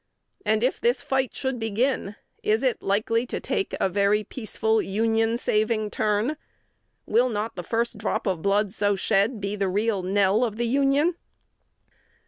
And, if this fight should begin, is it likely to take a very peaceful, Union saving turn? Will not the first drop of blood so shed be the real knell of the Union?"